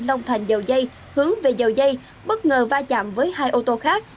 long thành dầu dây hướng về dầu dây bất ngờ va chạm với hai ô tô khác